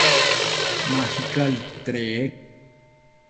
Magical Tree